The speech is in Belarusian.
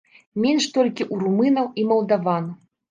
Менш толькі ў румынаў і малдаван.